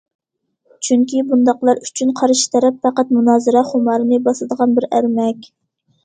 چۈنكى بۇنداقلار ئۈچۈن قارشى تەرەپ پەقەت مۇنازىرە خۇمارىنى باسىدىغان بىر ئەرمەك.